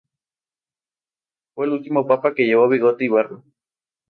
Fue el último Papa que llevó bigote y barba.